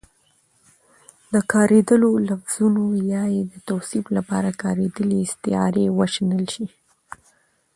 د کارېدلو لفظونو يا يې د توصيف لپاره کارېدلې استعارې وشنل شي